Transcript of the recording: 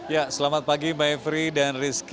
ya selamat pagi mbak evri dan rizky